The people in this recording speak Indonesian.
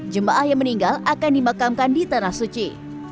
jemaah yang meninggal akan dimakamkan di tanah suci